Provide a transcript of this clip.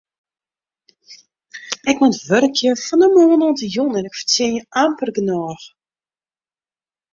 Ik moat wurkje fan de moarn oant de jûn en ik fertsjinje amper genôch.